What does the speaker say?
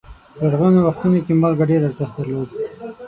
په لرغونو وختونو کې مالګه ډېر ارزښت درلود.